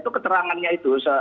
itu keterangannya itu